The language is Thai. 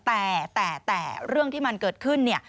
แต่แต่แต่เรื่องที่มันเกิดขึ้น